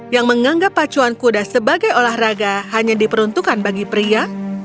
yang menganggap pacuan kuda sebagai olahraga hanya diperuntukkan bagi pria